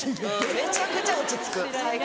めちゃくちゃ落ち着く最高。